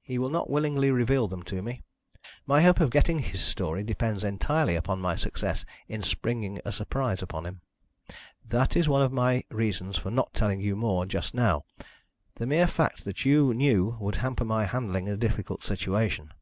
"He will not willingly reveal them to me. My hope of getting his story depends entirely upon my success in springing a surprise upon him. That is one of my reasons for not telling you more just now. The mere fact that you knew would hamper my handling a difficult situation.